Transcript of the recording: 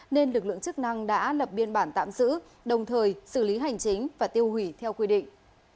nên lực lượng chức năng đã lập biên bản tạm giữ đồng thời xử lý hành chính và tiêu hủy theo quy định